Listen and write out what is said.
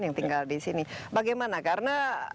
yang tinggal di sini bagaimana karena